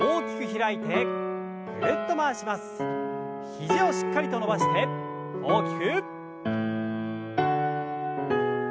肘をしっかりと伸ばして大きく。